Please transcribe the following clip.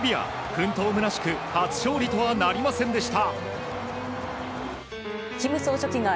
奮闘むなしく初勝利とはなりませんでした。